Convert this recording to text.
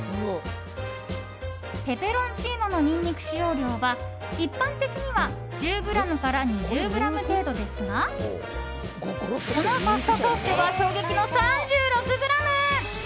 ペペロンチーノのニンニク使用量は一般的には１０ｇから２０ｇ程度ですがこのパスタソースでは衝撃の３６ｇ。